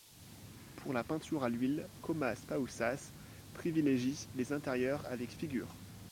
Pour la peinture à l'huile, Comas Pausas privilégie les intérieurs avec figure.